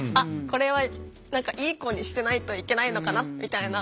これは何かいい子にしてないといけないのかなみたいな。